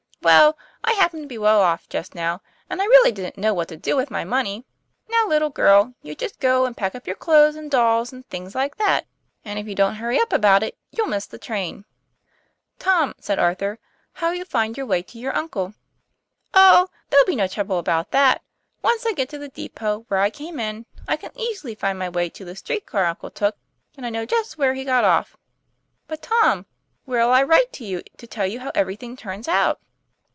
'Well, I happen to be well off just now, and I really didn't know what to do with my money. Now, little girl, you just go and pack up your clothes and dolls and things like that; and if you don't hurry up about it you'll miss the train." 'Torn, "said Arthur, "how' 11 you find your way to your uncle ?'; 'Oh, there'll be no trouble about that. Once I get to the depot where I came in, I can easily find my way to the street car uncle took, and I know just where he got off." 'But, Tom, where' 11 I write to you, to tell you how everything turns out